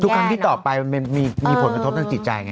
ครั้งที่ต่อไปมันมีผลกระทบทางจิตใจไง